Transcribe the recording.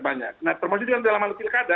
banyak nah termasuk di dalam halukilkada